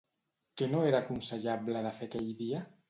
Què no era aconsellable de fer aquell dia?